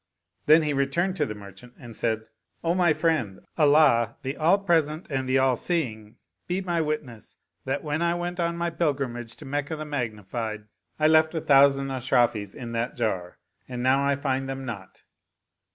Then he returned to the merchant and said, " O my friend, Allah, the All present and the All seeing, be my wit ness that, when I went on my pilgrimage to Meccah the Magnified, I left a thousand Ashrafis in that jar, and now I find them not.